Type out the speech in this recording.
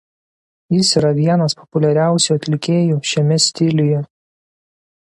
Jis yra vienas populiariausių atlikėjų šiame stiliuje.